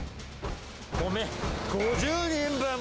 米、５０人分！